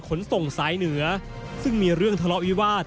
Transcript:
ขนส่งสายเหนือซึ่งมีเรื่องทะเลาะวิวาส